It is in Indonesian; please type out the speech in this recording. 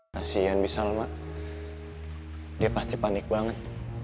kasian misal mak dia pasti panik banget